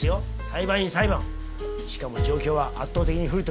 裁判員裁判！しかも状況は圧倒的に不利ときてる。